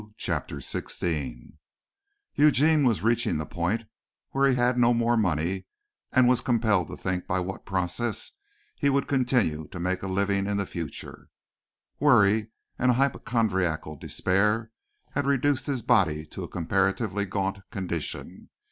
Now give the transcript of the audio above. CHAPTER XVI Eugene was reaching the point where he had no more money and was compelled to think by what process he would continue to make a living in the future. Worry and a hypochondriacal despair had reduced his body to a comparatively gaunt condition.